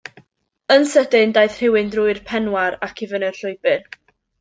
Yn sydyn, daeth rhywun drwy'r penwar ac i fyny'r llwybr.